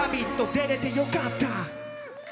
出れてよかった。